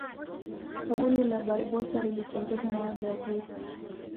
Kaburi la barbosa lilitengwa na wabrazil